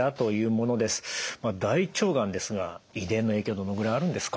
まあ大腸がんですが遺伝の影響はどのぐらいあるんですか？